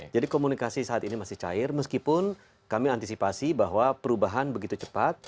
jadi komunikasi saat ini masih cair meskipun kami antisipasi bahwa perubahan begitu cepat